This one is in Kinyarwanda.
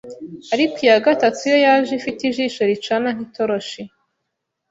ariko iya gatatu yo yaje ifite ijisho ricana nk’itoroshi,